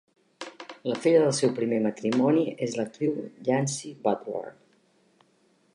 La filla del seu primer matrimoni és l'actriu Yancy Butler.